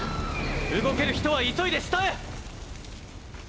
動ける人は急いで下へ！